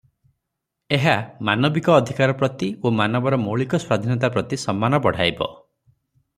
ଏହା ମାନବିକ ଅଧିକାର ପ୍ରତି ଓ ମାନବର ମୌଳିକ ସ୍ୱାଧୀନତା ପ୍ରତି ସମ୍ମାନ ବଢ଼ାଇବ ।